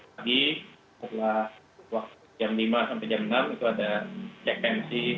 pagi setelah jam lima sampai jam enam itu ada cek pensi